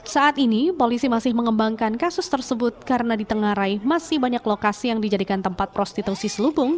saat ini polisi masih mengembangkan kasus tersebut karena di tengah rai masih banyak lokasi yang dijadikan tempat prostitusi selubung